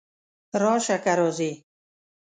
راشه! که راځې!